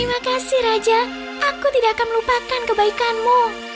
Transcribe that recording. terima kasih raja aku tidak akan melupakan kebaikanmu